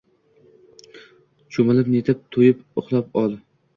Cho`milib-netib, to`yib uxlab ol